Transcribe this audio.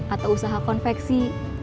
atau usaha konveksi